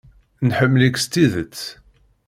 Nḥemmel-ik s tidet.